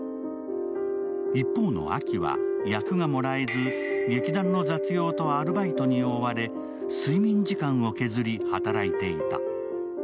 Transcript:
一方のアキは役がもらえず劇団の雑用とアルバイトに追われ睡眠時間を削り、働いていた。